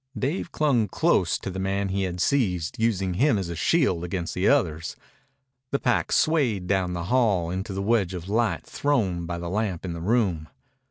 Dave clung close to the man he had seized, using him as a shield against the others. The pack swayed down the hall into the wedge of light thrown by the lamp in the room.